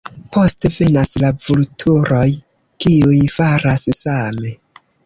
Poste venas la vulturoj kiuj faras same.